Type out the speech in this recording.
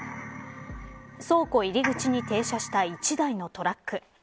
倉庫入り口に停車した１台のトラック。